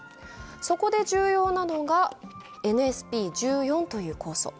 そこで重要なのがｎｓｐ１４という酵素。